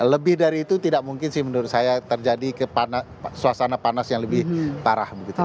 lebih dari itu tidak mungkin sih menurut saya terjadi suasana panas yang lebih parah begitu